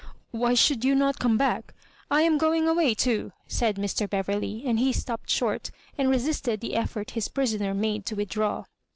"Why should not you come back ? I am going away too,'* said Mr. Beverley; and he stopped short, and resisted the effort his prisoner made to with draw.